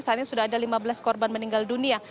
saat ini sudah ada lima belas korban meninggal dunia